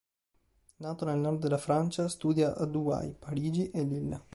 Nato nel nord della Francia, studia a Douai, Parigi e Lilla.